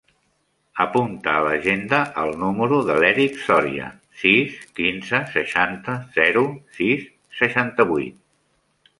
Apunta a l'agenda el número de l'Èric Soria: sis, quinze, seixanta, zero, sis, seixanta-vuit.